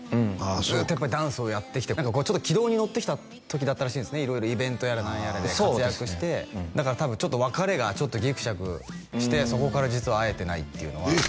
ずっとやっぱダンスをやってきて軌道に乗ってきた時だったらしいイベントやら何やらで活躍してだからたぶん別れがちょっとギクシャクしてそこから実は会えてないってのはえっ